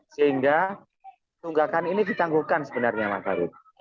sehingga tunggakan ini ditanggungkan sebenarnya mas haru